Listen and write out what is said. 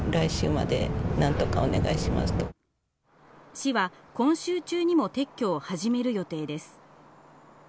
市は今週中にも撤去を始める予定です。